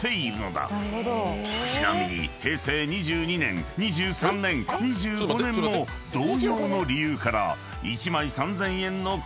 ［ちなみに平成２２年２３年２５年も同様の理由から］